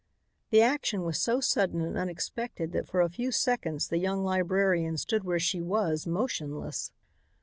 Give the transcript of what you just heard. The action was so sudden and unexpected that for a few seconds the young librarian stood where she was, motionless.